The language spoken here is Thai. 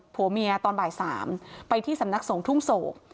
ผัวเมียตอนบ่าย๓ไปที่สำนักสงฆ์ทุ่งโศก